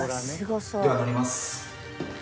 では乗ります。